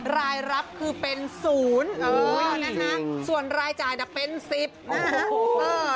รายรับคือเป็นศูนย์ส่วนรายจ่ายเป็น๑๐บาท